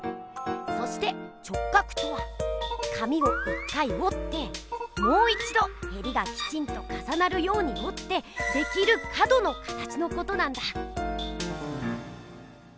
そして「直角」とは紙を１回おってもう一どへりがきちんとかさなるようにおってできる角の形のことなんだ。